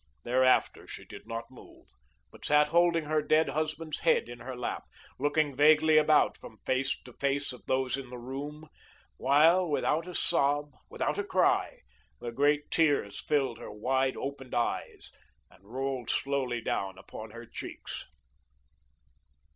Thereafter she did not move, but sat holding her dead husband's head in her lap, looking vaguely about from face to face of those in the room, while, without a sob, without a cry, the great tears filled her wide opened eyes and rolled slowly down upon her cheeks.